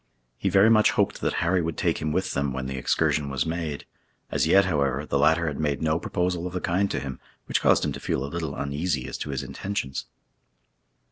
He very much hoped that Harry would take him with them when the excursion was made. As yet, however, the latter had made no proposal of the kind to him, which caused him to feel a little uneasy as to his intentions.